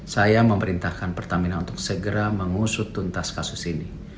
saya memerintahkan pertamina untuk segera mengusut tuntas kasus ini